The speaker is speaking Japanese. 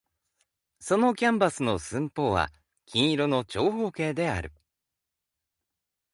そのキャンバスの寸法は金色の長方形である。